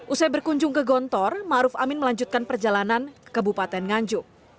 usai berkunjung ke gontor ma'ruf amin melanjutkan perjalanan ke kabupaten nganjuk